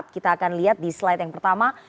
kita akan lihat di slide yang pertama